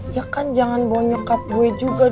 ya kan jangan bohong nyokap gue juga dong bohong